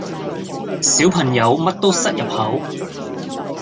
小朋友乜都塞入口